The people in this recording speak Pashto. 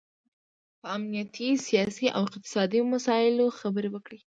په امنیتي، سیاسي او اقتصادي مسایلو خبرې وکړي